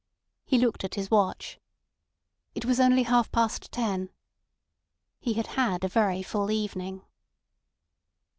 He looked at his watch. It was only half past ten. He had had a very full evening.